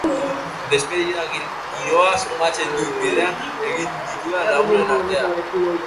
Despedida giroa somatzen dut bidean egin ditudan lagunen artean.